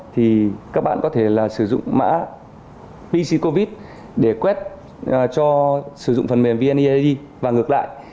thì các bạn có thể là sử dụng mã pc covid để quét cho sử dụng phần mềm vneid và ngược lại